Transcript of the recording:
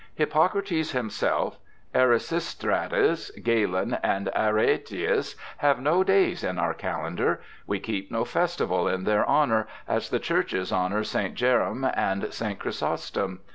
Hippocrates himself, Erasistratus, Galen, and Araetius have no days in our calendar. We keep no festival in their honour, as the churches honour St. Jerome and St. Chrysostom.